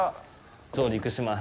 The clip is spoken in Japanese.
上陸します。